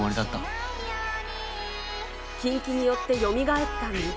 禁忌によってよみがえった美雪。